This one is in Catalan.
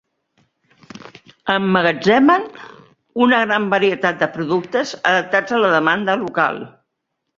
Emmagatzemen una gran varietat de productes, adaptats a la demanda local.